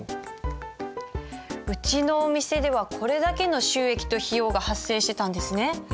うちのお店ではこれだけの収益と費用が発生してたんですね。